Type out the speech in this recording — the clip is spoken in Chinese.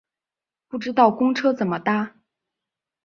不知道公车怎么搭